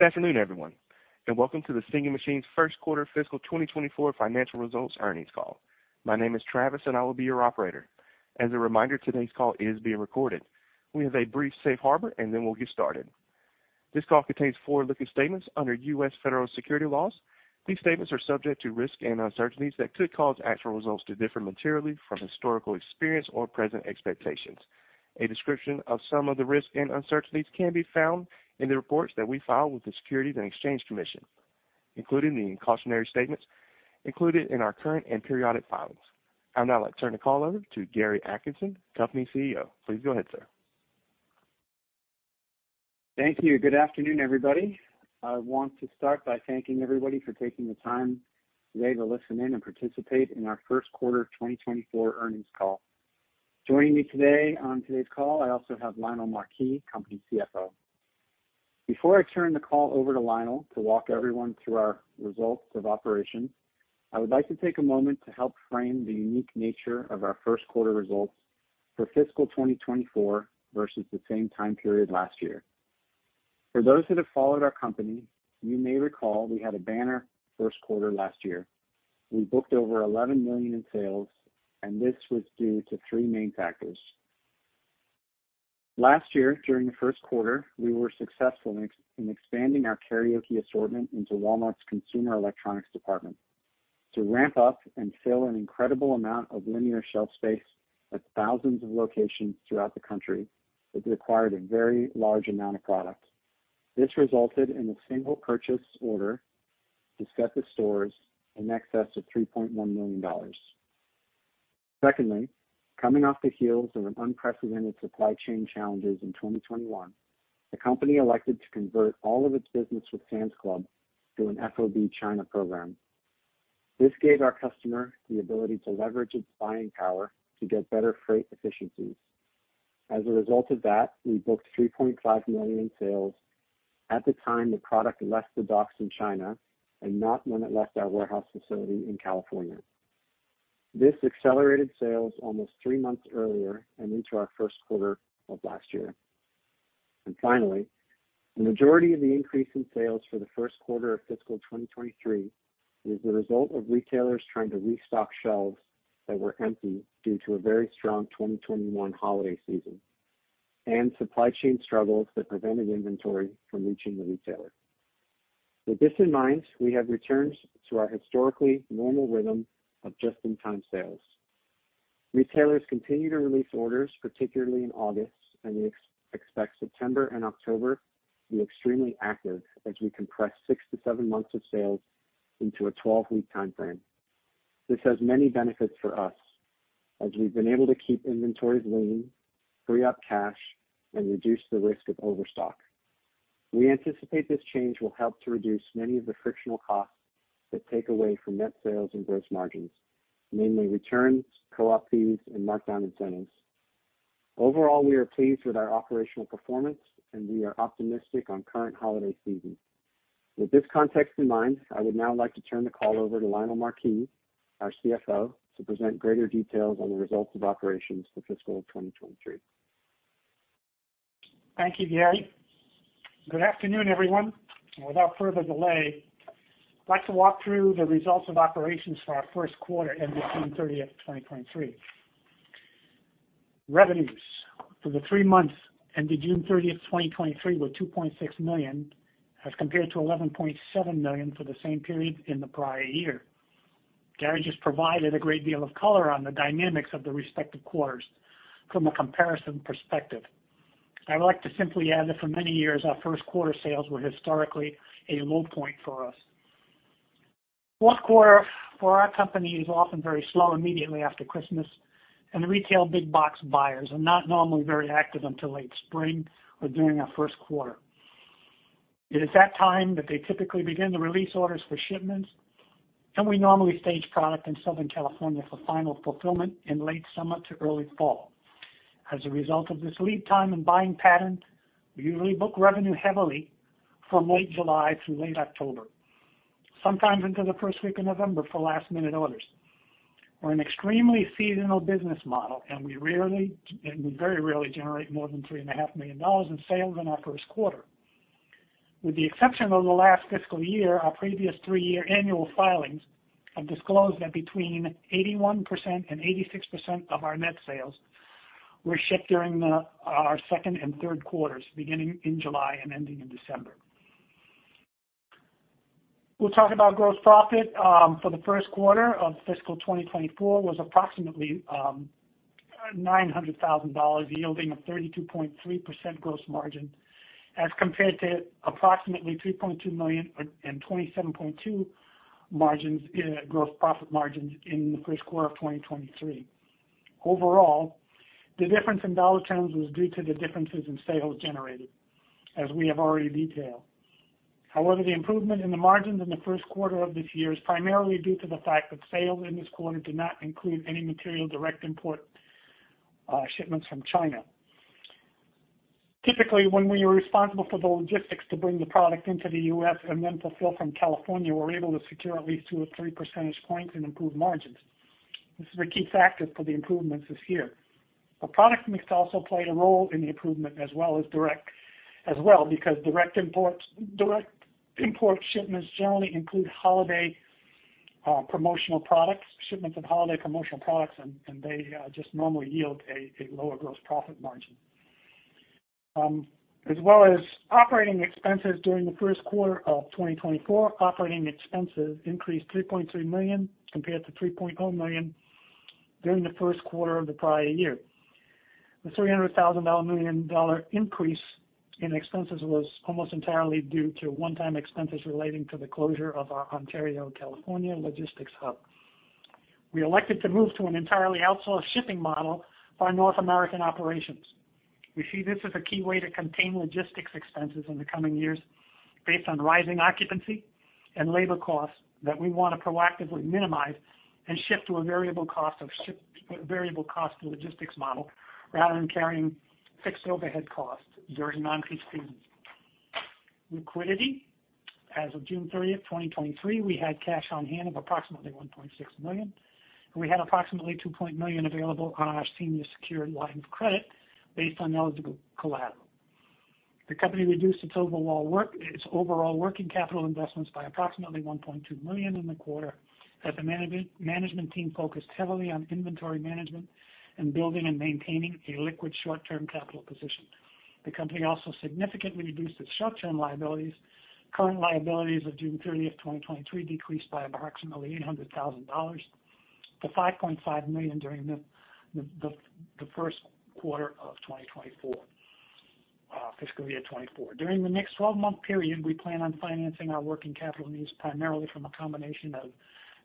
Good afternoon, everyone, and welcome to The Singing Machine's first quarter fiscal 2024 financial results earnings call. My name is Travis, and I will be your operator. As a reminder, today's call is being recorded. We have a brief safe harbor, and then we'll get started. This call contains forward-looking statements under U.S. federal securities laws. These statements are subject to risks and uncertainties that could cause actual results to differ materially from historical experience or present expectations. A description of some of the risks and uncertainties can be found in the reports that we file with the Securities and Exchange Commission, including the cautionary statements included in our current and periodic filings. I'd now like to turn the call over to Gary Atkinson, company CEO. Please go ahead, sir. Thank you. Good afternoon, everybody. I want to start by thanking everybody for taking the time today to listen in and participate in our first quarter of 2024 earnings call. Joining me today on today's call, I also have Lionel Marquis, company CFO. Before I turn the call over to Lionel to walk everyone through our results of operations, I would like to take a moment to help frame the unique nature of our first quarter results for fiscal 2024 versus the same time period last year. For those that have followed our company, you may recall we had a banner first quarter last year. We booked over $11 million in sales, and this was due to three main factors. Last year, during the first quarter, we were successful in expanding our karaoke assortment into Walmart's consumer electronics department. To ramp up and fill an incredible amount of linear shelf space at thousands of locations throughout the country, it required a very large amount of product. This resulted in a single purchase order to set the stores in excess of $3.1 million. Secondly, coming off the heels of unprecedented supply chain challenges in 2021, the company elected to convert all of its business with Sam's Club to an FOB China program. This gave our customer the ability to leverage its buying power to get better freight efficiencies. As a result of that, we booked $3.5 million in sales at the time the product left the docks in China and not when it left our warehouse facility in California. This accelerated sales almost three months earlier and into our first quarter of last year. Finally, the majority of the increase in sales for the first quarter of fiscal 2023 was the result of retailers trying to restock shelves that were empty due to a very strong 2021 holiday season and supply chain struggles that prevented inventory from reaching the retailer. With this in mind, we have returned to our historically normal rhythm of just-in-time sales. Retailers continue to release orders, particularly in August, and we expect September and October to be extremely active as we compress six to seven months of sales into a 12-week timeframe. This has many benefits for us, as we've been able to keep inventories lean, free up cash, and reduce the risk of overstock. We anticipate this change will help to reduce many of the frictional costs that take away from net sales and gross margins, mainly returns, co-op fees, and markdown incentives. Overall, we are pleased with our operational performance, and we are optimistic on current holiday season. With this context in mind, I would now like to turn the call over to Lionel Marquis, our CFO, to present greater details on the results of operations for fiscal 2023. Thank you, Gary. Good afternoon, everyone. Without further delay, I'd like to walk through the results of operations for our first quarter, ending June 30th, 2023. Revenues for the three months ended June 30th, 2023, were $2.6 million, as compared to $11.7 million for the same period in the prior year. Gary just provided a great deal of color on the dynamics of the respective quarters from a comparison perspective. I would like to simply add that for many years, our first quarter sales were historically a low point for us. Fourth quarter for our company is often very slow immediately after Christmas, and the retail big box buyers are not normally very active until late spring or during our first quarter. It is that time that they typically begin to release orders for shipments, and we normally stage product in Southern California for final fulfillment in late summer to early fall. As a result of this lead time and buying pattern, we usually book revenue heavily from late July through late October, sometimes into the first week of November for last-minute orders. We're an extremely seasonal business model, and we very rarely generate more than $3.5 million in sales in our first quarter. With the exception of the last fiscal year, our previous three-year annual filings have disclosed that between 81% and 86% of our net sales were shipped during our second and third quarters, beginning in July and ending in December. We'll talk about gross profit. The first quarter of fiscal 2024 was approximately $900,000, yielding a 32.3% gross margin, as compared to approximately $3.2 million and 27.2% gross profit margins in the first quarter of 2023. Overall, the difference in dollar terms was due to the differences in sales generated, as we have already detailed. The improvement in the margins in the first quarter of this year is primarily due to the fact that sales in this quarter did not include any material direct import shipments from China. Typically, when we are responsible for the logistics to bring the product into the US and then fulfill from California, we're able to secure at least two or three percentage points and improve margins. This is the key factor for the improvements this year. The product mix also played a role in the improvement as well as direct, as well, because direct imports, direct import shipments generally include holiday promotional products, shipments of holiday promotional products, and, and they just normally yield a lower gross profit margin. As well as operating expenses during the first quarter of 2024, operating expenses increased $3.3 million compared to $3.0 million during the first quarter of the prior year. The $300,000, $1 million increase in expenses was almost entirely due to one-time expenses relating to the closure of our Ontario, California logistics hub. We elected to move to an entirely outsourced shipping model for our North American operations. We see this as a key way to contain logistics expenses in the coming years, based on rising occupancy and labor costs that we want to proactively minimize and shift to a variable cost of logistics model rather than carrying fixed overhead costs during non-peak seasons. Liquidity. As of June 30th, 2023, we had cash on hand of approximately $1.6 million, and we had approximately $2 million available on our senior secured line of credit based on eligible collateral. The company reduced its overall working capital investments by approximately $1.2 million in the quarter, as the management team focused heavily on inventory management and building and maintaining a liquid short-term capital position. The company also significantly reduced its short-term liabilities. Current liabilities of June 30th, 2023, decreased by approximately $800,000 to $5.5 million during the first quarter of 2024, fiscal year 2024. During the next 12-month period, we plan on financing our working capital needs primarily from a combination of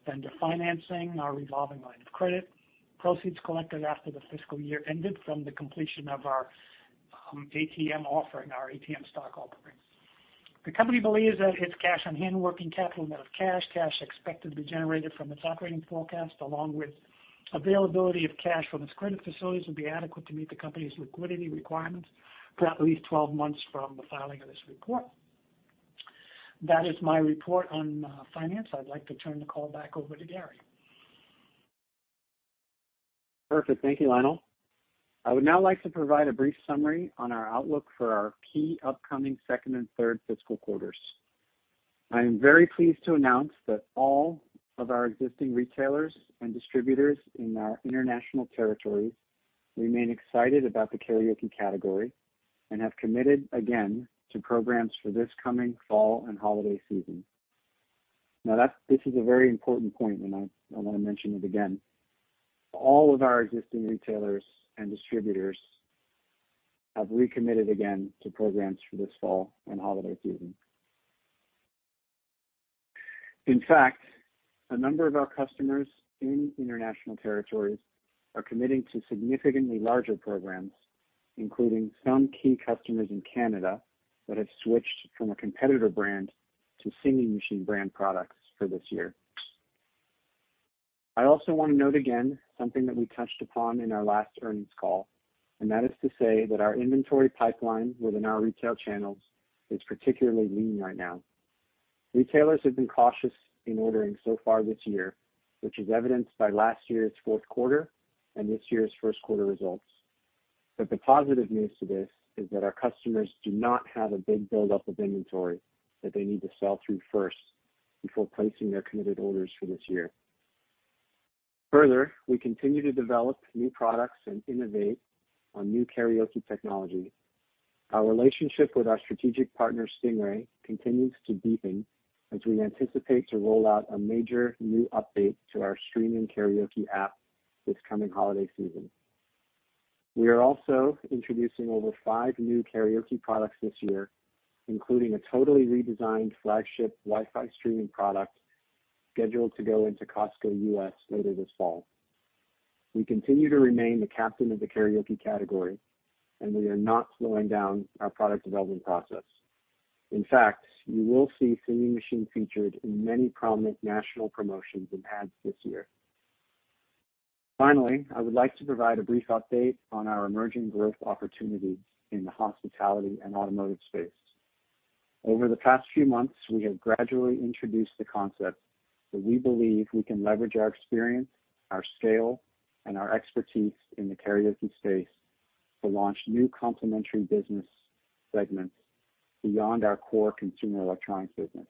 vendor financing, our revolving line of credit, proceeds collected after the fiscal year ended from the completion of our ATM offering, our ATM stock offering. The company believes that its cash on hand working capital, net of cash, cash expected to be generated from its operating forecast, along with availability of cash from its credit facilities, will be adequate to meet the company's liquidity requirements for at least 12 months from the filing of this report. That is my report on finance. I'd like to turn the call back over to Gary. Perfect. Thank you, Lionel. I would now like to provide a brief summary on our outlook for our key upcoming second and third fiscal quarters. I am very pleased to announce that all of our existing retailers and distributors in our international territories remain excited about the karaoke category and have committed again to programs for this coming fall and holiday season. Now, this is a very important point, and I want to mention it again. All of our existing retailers and distributors have recommitted again to programs for this fall and holiday season. In fact, a number of our customers in international territories are committing to significantly larger programs, including some key customers in Canada that have switched from a competitor brand to Singing Machine brand products for this year. I also want to note again something that we touched upon in our last earnings call, and that is to say that our inventory pipeline within our retail channels is particularly lean right now. Retailers have been cautious in ordering so far this year, which is evidenced by last year's fourth quarter and this year's first quarter results. The positive news to this is that our customers do not have a big buildup of inventory that they need to sell through first before placing their committed orders for this year. We continue to develop new products and innovate on new karaoke technology. Our relationship with our strategic partner, Stingray, continues to deepen as we anticipate to roll out a major new update to our streaming karaoke app this coming holiday season. We are also introducing over five new karaoke products this year, including a totally redesigned flagship Wi-Fi streaming product scheduled to go into Costco U.S. later this fall. We continue to remain the captain of the karaoke category, and we are not slowing down our product development process. In fact, you will see Singing Machine featured in many prominent national promotions and ads this year. Finally, I would like to provide a brief update on our emerging growth opportunities in the hospitality and automotive space. Over the past few months, we have gradually introduced the concept that we believe we can leverage our experience, our scale, and our expertise in the karaoke space to launch new complementary business segments beyond our core consumer electronics business.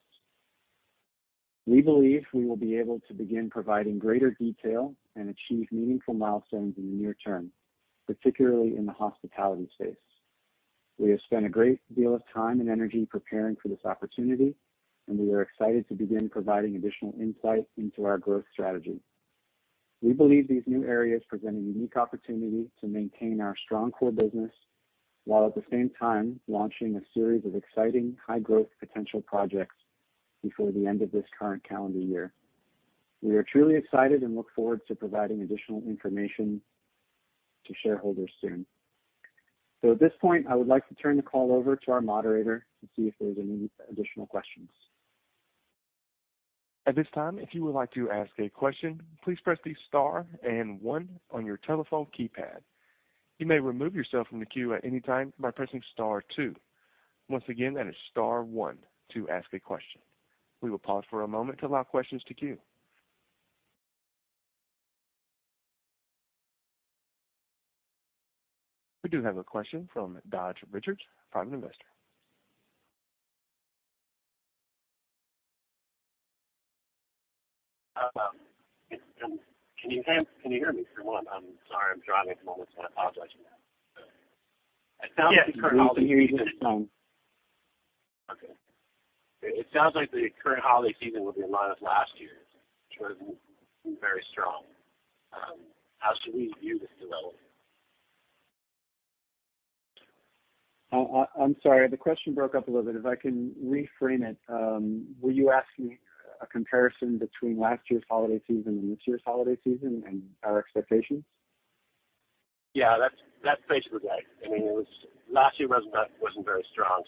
We believe we will be able to begin providing greater detail and achieve meaningful milestones in the near term, particularly in the hospitality space. We have spent a great deal of time and energy preparing for this opportunity, and we are excited to begin providing additional insight into our growth strategy. We believe these new areas present a unique opportunity to maintain our strong core business, while at the same time launching a series of exciting, high-growth potential projects before the end of this current calendar year. We are truly excited and look forward to providing additional information to shareholders soon. At this point, I would like to turn the call over to our moderator to see if there's any additional questions. At this time, if you would like to ask a question, please press the star and one on your telephone keypad. You may remove yourself from the queue at any time by pressing star two. Once again, that is star one to ask a question. We will pause for a moment to allow questions to queue. We do have a question from Dodge Richards, Private Investor. Can you hear, can you hear me? For one, I'm sorry, I'm dropping a moment. I apologize for that. Yes, we can hear you just fine. Okay. It sounds like the current holiday season will be a lot of last year, which was very strong. How should we view this development? I, I'm sorry, the question broke up a little bit. If I can reframe it, were you asking a comparison between last year's holiday season and this year's holiday season and our expectations? Yeah, that's, that's basically right. I mean, last year wasn't, wasn't very strong.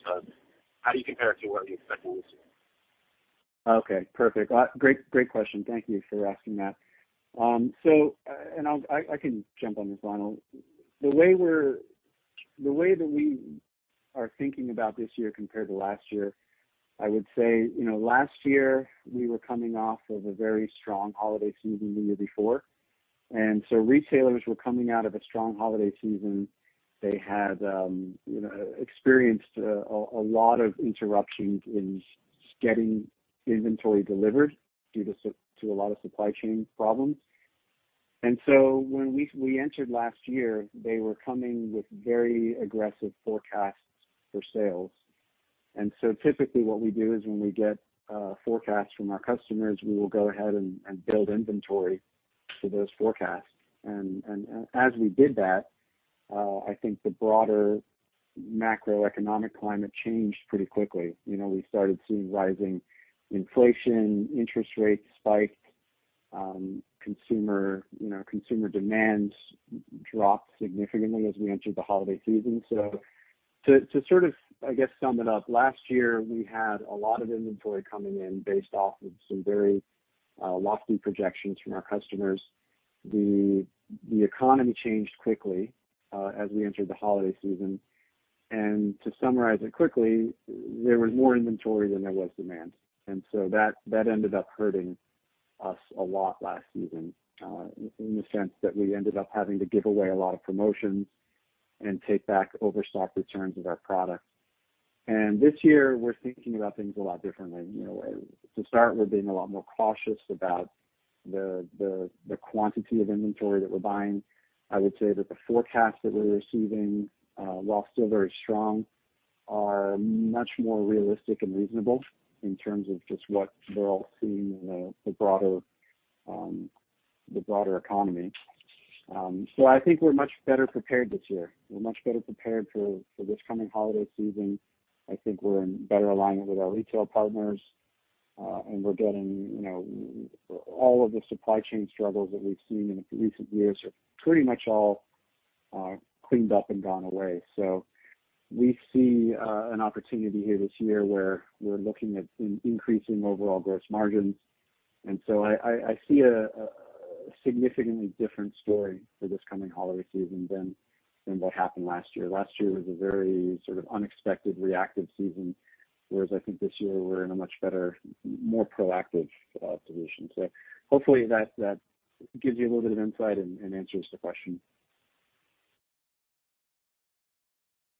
How do you compare it to what you expect this year? Okay, perfect. Great, great question. Thank you for asking that. I can jump on this, Lionel. The way that we are thinking about this year compared to last year, I would say, you know, last year we were coming off of a very strong holiday season the year before, retailers were coming out of a strong holiday season. They had, you know, experienced a lot of interruptions in getting inventory delivered due to a lot of supply chain problems. When we, we entered last year, they were coming with very aggressive forecasts for sales. Typically what we do is when we get forecasts from our customers, we will go ahead and build inventory for those forecasts. As we did that, I think the broader macroeconomic climate changed pretty quickly. You know, we started seeing rising inflation, interest rates spiked, consumer, you know, consumer demand dropped significantly as we entered the holiday season. To, to sort of, I guess, sum it up, last year we had a lot of inventory coming in based off of some very lofty projections from our customers. The, the economy changed quickly, as we entered the holiday season. To summarize it quickly, there was more inventory than there was demand, and so that, that ended up hurting us a lot last season, in the sense that we ended up having to give away a lot of promotions and take back overstock returns of our product. This year we're thinking about things a lot differently. You know, to start, we're being a lot more cautious about the quantity of inventory that we're buying. I would say that the forecasts that we're receiving, while still very strong, are much more realistic and reasonable in terms of just what we're all seeing in the broader economy. I think we're much better prepared this year. We're much better prepared for this coming holiday season. I think we're in better alignment with our retail partners, and we're getting, you know, all of the supply chain struggles that we've seen in recent years are pretty much all cleaned up and gone away. We see an opportunity here this year where we're looking at increasing overall gross margins. I see a significantly different story for this coming holiday season than what happened last year. Last year was a very sort of unexpected reactive season, whereas I think this year we're in a much better, more proactive position. Hopefully that gives you a little bit of insight and answers the question.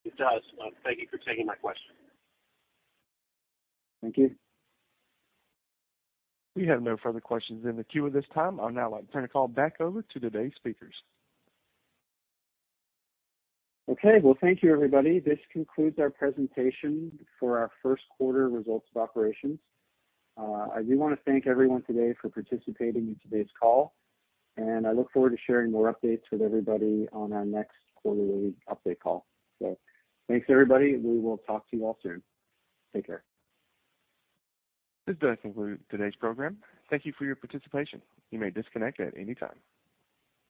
It does. Thank you for taking my question. Thank you. We have no further questions in the queue at this time. I'd now like to turn the call back over to today's speakers. Okay, well, thank you, everybody. This concludes our presentation for our first quarter results of operations. I do want to thank everyone today for participating in today's call. I look forward to sharing more updates with everybody on our next quarterly update call. Thanks, everybody. We will talk to you all soon. Take care. This does conclude today's program. Thank you for your participation. You may disconnect at any time.